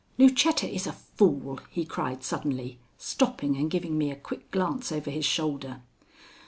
"Lucetta is a fool," he cried suddenly, stopping and giving me a quick glance over his shoulder.